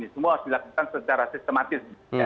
semua harus dilakukan secara sistematis